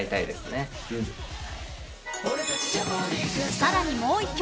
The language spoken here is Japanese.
［さらにもう１曲。